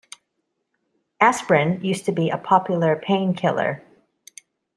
Asprin used to be a popular painkiller